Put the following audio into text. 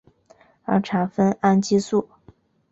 儿茶酚胺激素。